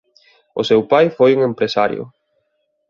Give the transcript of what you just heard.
O seu pai foi un empresario.